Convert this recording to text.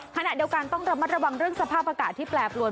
ขณะเดียวกันต้องระมัดระวังเรื่องสภาพอากาศที่แปรปรวน